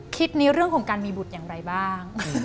ในเรื่องของการมีบุตรอย่างไรบ้าง